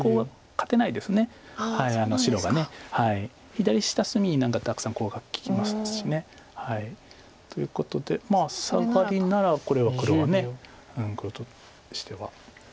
左下隅に何かたくさんコウが利きますし。ということでまあサガリならこれは黒が黒としては。